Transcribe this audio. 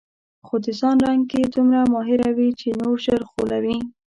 خو د ځان رنګ کې دومره ماهره وي چې نور ژر غولوي.